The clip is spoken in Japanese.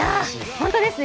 本当ですね